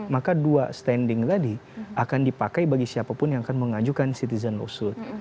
maka dua standing tadi akan dipakai bagi siapapun yang akan mengajukan citizen usut